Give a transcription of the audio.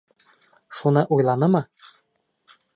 Шуны уйланымы?